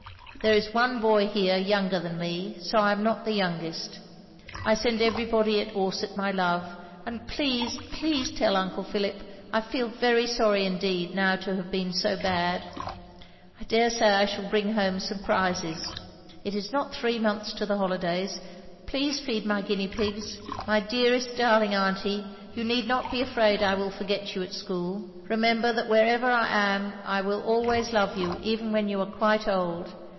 There is one boy hear yonger than me, so I am not the yongest. I send everybody at Orsett my love, and plese plese tell Uncle Philip I fele very sorry indeed now to have been so bad. I deresay I shall bring home some prizes. It is not three months to the hollydays. Plese feed my guiny pigs. My derest darling Anty, you need not be afrade I will forget you at schole. " Rember that werever I am I will holways love you even when you are quit old.